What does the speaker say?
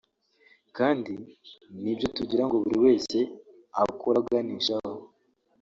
kandi ni byo tugira ngo buri wese akore aganishaho